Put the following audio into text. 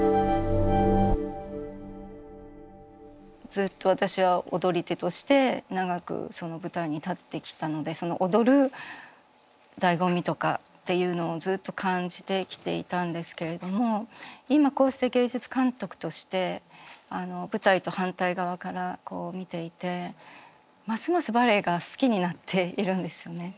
ずっと私は踊り手として長く舞台に立ってきたので踊るだいご味とかっていうのをずっと感じてきていたんですけれども今こうして芸術監督として舞台と反対側から見ていてますますバレエが好きになっているんですよね。